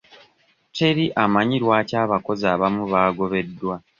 Teri amanyi lwaki abakozi abamu baagobeddwa.